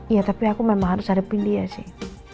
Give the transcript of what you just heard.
iya tapi aku memang harus hadapin dia sih